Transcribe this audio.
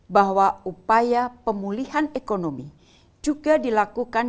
bahwa upaya pemulihan ekonomi juga dilakukan